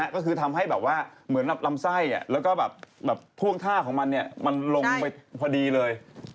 ก็คือทำให้เหมือนลำไส้แล้วก็พ่วงท่าของมันลงไปพอดีเลย